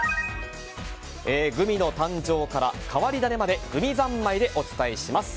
グミの誕生から変わり種までグミ三昧でお伝えします。